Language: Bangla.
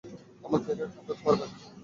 আমাকে এরা কামড়াতে পারবে না।